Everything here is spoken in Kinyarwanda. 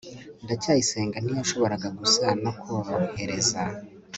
ndacyayisenga ntiyashoboraga gusa no korohereza